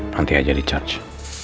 nanti aja di charge